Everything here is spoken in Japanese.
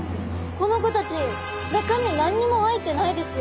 この子たち中身何にも入ってないですよ。